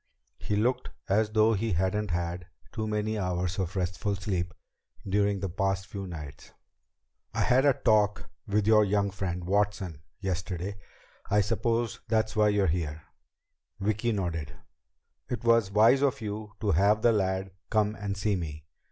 He looked as though he hadn't had too many hours of restful sleep during the past few nights. "I had a talk with your young friend, Watson, yesterday. I suppose that's why you're here." Vicki nodded. "It was wise of you to have the lad come and see me.